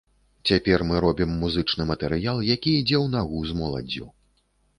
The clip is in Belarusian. Цяпер мы робім музычны матэрыял, які ідзе ў нагу з моладдзю.